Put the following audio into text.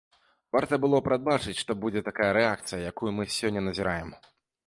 Варта было прадбачыць, што будзе тая рэакцыя, якую мы сёння назіраем.